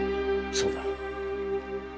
そうだ。